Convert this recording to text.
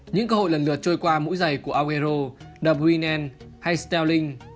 những cơ hội lần lượt trôi qua mũi giày của alguero de bruyne hay sterling